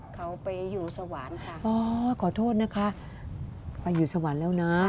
เขาไปอยู่สวรรค์ค่ะอ๋อขอโทษนะคะไปอยู่สวรรค์แล้วนะ